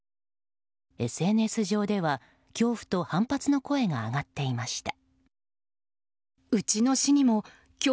ＳＮＳ上では恐怖と反発の声が上がっていました。